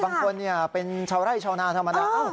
บางคนเป็นชาวไร่ชาวนาธรรมดา